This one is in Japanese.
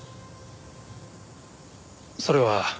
それは。